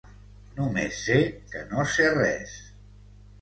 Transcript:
Només sé que no sé res.